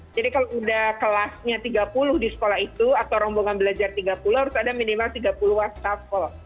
jadi kalau udah kelasnya tiga puluh di sekolah itu atau rombongan belajar tiga puluh harus ada minimal tiga puluh waskensol